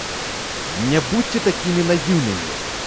Не будзьце такімі наіўнымі.